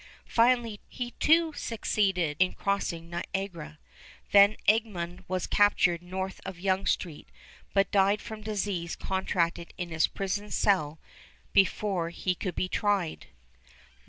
Finally he too succeeded in crossing Niagara. Van Egmond was captured north of Yonge Street, but died from disease contracted in his prison cell before he could be tried.